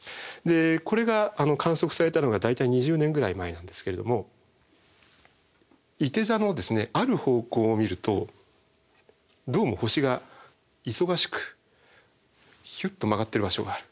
これが観測されたのが大体２０年ぐらい前なんですけれどもいて座のある方向を見るとどうも星が忙しくヒュッと曲がってる場所がある。